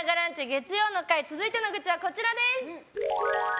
月曜の会続いての愚痴はこちらです。